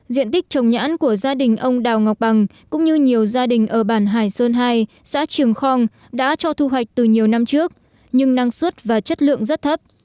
diện tích trồng nhãn của gia đình ông đào ngọc bằng cũng như nhiều gia đình ở bản hải sơn hai xã trường khong đã cho thu hoạch từ nhiều năm trước nhưng năng suất và chất lượng rất thấp